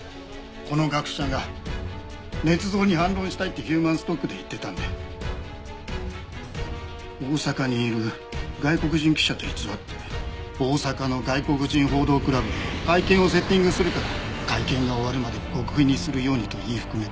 この学者が捏造に反論したいってヒューマンストックで言ってたんで大阪にいる外国人記者と偽って大阪の外国人報道クラブで会見をセッティングするから会見が終わるまで極秘にするようにと言い含めて。